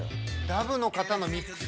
ダブの方のミックス。